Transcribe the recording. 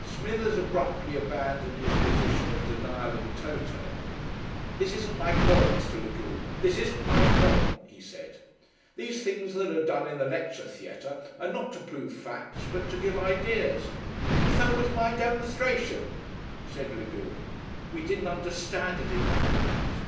Smithers abruptly abandoned his position of denial "in toto." "This isn't my point, Mr. Lagune; this isn't my point," he said. "These things that are done in the lecture theatre are not to prove facts, but to give ideas." "So was my demonstration," said Lagune. "We didn't understand it in that light."